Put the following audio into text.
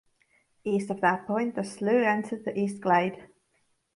East of that point, the slough entered the East Glade.